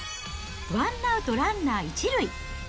ワンアウトランナー１塁。